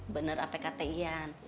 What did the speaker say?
bener apa kata ian